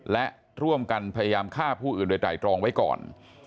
และร่วมกันพยายามฆ่าผู้อื่นโดยไตรตรองไว้ก่อน